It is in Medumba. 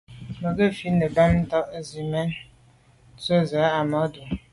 Mə̀ gə ̀fít nə̀ bɑ́mə́ tà' nsí mə̄ gə́ cɛ̌d yə́ bú cɛ̌d Ahmadou.